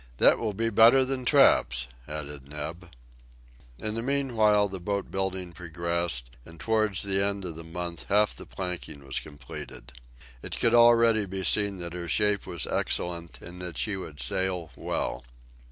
"That will be better than traps!" added Neb. In the meanwhile the boat building progressed, and towards the end of the month half the planking was completed. It could already be seen that her shape was excellent, and that she would sail well.